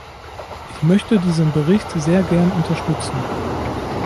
Ich möchte diesen Bericht sehr gern unterstützen.